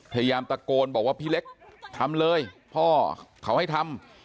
พยายามตะโกนบอกว่าพี่เล็กทำเลยพ่อเขาให้ทำ